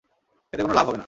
এতে কোন লাভ হবে না।